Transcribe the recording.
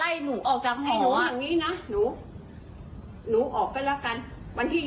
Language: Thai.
เรียนออนไลน์ยายก็ไม่เคยเห็นหนูไปโรงเรียน